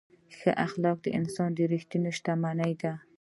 ښه اخلاق د انسان ریښتینې شتمني ده.